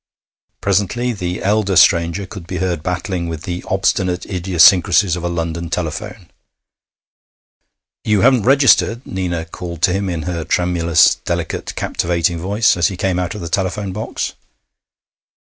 Presently the elder stranger could be heard battling with the obstinate idiosyncrasies of a London telephone. 'You haven't registered,' Nina called to him in her tremulous, delicate, captivating voice, as he came out of the telephone box.